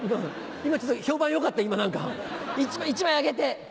今ちょっと評判良かった何か１枚あげて。